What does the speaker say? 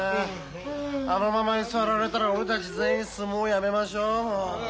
あのまま居座られたら俺たち全員相撲やめましょうもう。